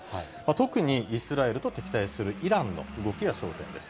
特に、イスラエルと敵対するイランの動きが焦点です。